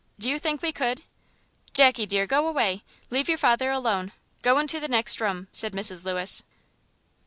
Do you think we could?" "Jackie, dear, go away; leave your father alone. Go into the next room," said Mrs. Lewis.